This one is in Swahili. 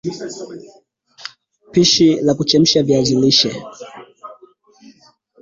Pishi la Kuchemsha viazi lishe